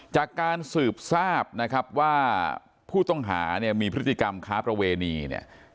จากการสืบทราบนะครับว่าผู้ต้องหาเนี่ยมีพฤติกรรมค้าประเวณีเนี่ย